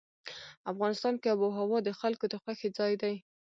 افغانستان کې آب وهوا د خلکو د خوښې ځای دی.